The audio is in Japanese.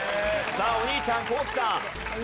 さあお兄ちゃん皇輝さん。